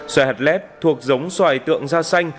xoài hạt lép thuộc giống xoài tượng da xanh